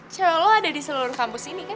cewe lo ada di seluruh kampus ini kan